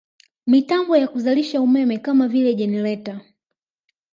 Mitambo ya kuzalisha umeme kama vile jenereta